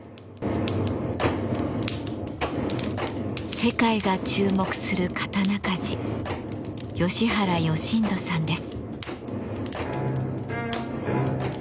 世界が注目する刀鍛冶吉原義人さんです。